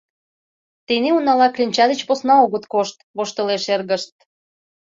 — Тений унала кленча деч посна огыт кошт, — воштылеш эргышт.